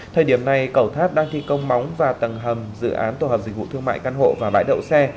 thời điểm này cầu tháp đang thi công móng và tầng hầm dự án tổ hợp dịch vụ thương mại căn hộ và bãi đậu xe